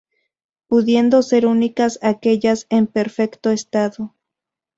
Pudiendo ser únicas aquellas en perfecto estado.